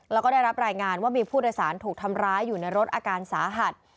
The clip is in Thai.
แล้วก็ได้รับรายงานว่ามีผู้โดยสารถูกทำร้ายอยู่ในรถอาการสาหัส